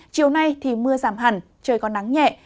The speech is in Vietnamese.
chiều nay thì mưa giảm hẳn trời còn nắng nhẹ